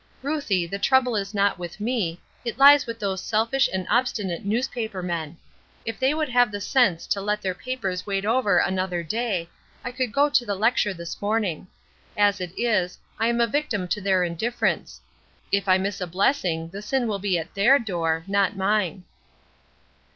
Ruthie, the trouble is not with me, it lies with those selfish and obstinate newspaper men. If they would have the sense to let their papers wait over another day I could go to the lecture this morning. As it is, I am a victim to their indifference. If I miss a blessing the sin will be at their door, not mine."